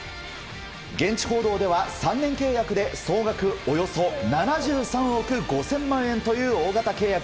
現地報道では３年契約で総額およそ７３億５０００万円という大型契約。